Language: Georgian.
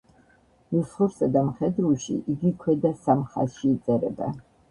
ნუსხურსა და მხედრულში იგი ქვედა სამ ხაზში იწერება.